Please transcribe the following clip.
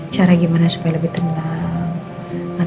cara gimana supaya lebih tenang